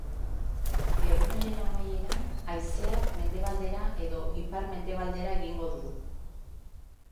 Egunaren amaieran, haizeak mendebaldera edo ipar-mendebaldera egingo du.